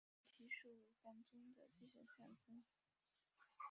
菩提树为板中的精神象征。